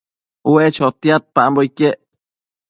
ue chotiadpambo iquec